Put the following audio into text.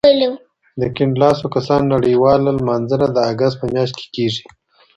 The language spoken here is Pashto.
د کیڼ لاسو کسانو نړیواله لمانځنه د اګست په میاشت کې کېږي.